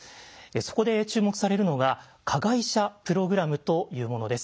そこで注目されるのが「加害者プログラム」というものです。